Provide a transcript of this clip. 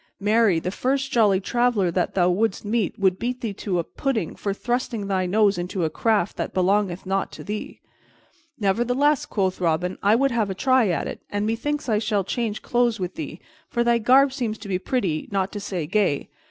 Marry, the first jolly traveler that thou wouldst meet would beat thee to a pudding for thrusting thy nose into a craft that belongeth not to thee." "Nevertheless," quoth Robin, "I would have a try at it; and methinks I shall change clothes with thee, for thy garb seemeth to be pretty, not to say gay.